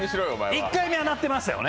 １回目は鳴ってましたよね。